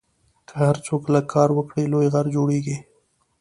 که هر څوک لږ کار وکړي، لوی غږ جوړېږي.